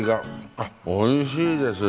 あっおいしいです。